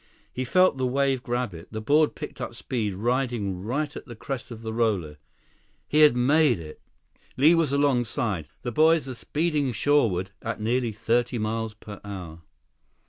He felt the wave grab it. The board picked up speed, riding right at the crest of the roller. He had made it! Li was right alongside. The boys were speeding shoreward at nearly thirty miles per hour.